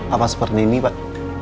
apa seperti ini pak